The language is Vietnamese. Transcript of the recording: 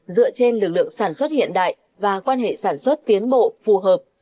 dựa trên lực lượng sản xuất hiện đại và quan hệ sản xuất tiến bộ phù hợp